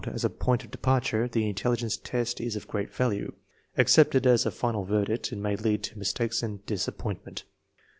As a point of departure the intelligence test is of great value; accepted as a final verdict it may lead to mistakes and disappointment.